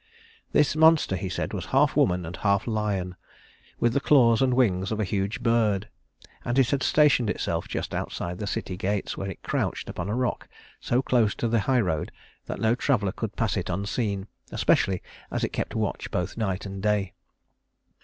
This monster, he said, was half woman and half lion, with the claws and wings of a huge bird; and it had stationed itself just outside the city gates, where it crouched upon a rock so close to the high road that no traveler could pass it unseen, especially as it kept watch both night and day.